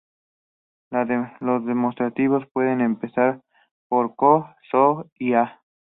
Los demostrativos pueden empezar por "ko-", "so-", y "a-".